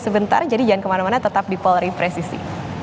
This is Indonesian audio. sebentar jadi jangan kemana mana tetap di polri presisi